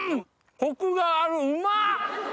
コクがあるうまっ！